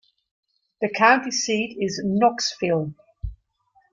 The county seat is Knoxville.